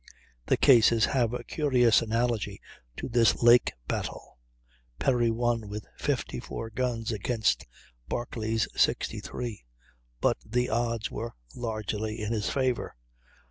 The cases have a curious analogy to this lake battle. Perry won with 54 guns against Barclay's 63; but the odds were largely in his favor.